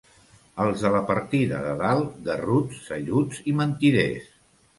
Els de la partida de Dalt, garruts, celluts i mentiders.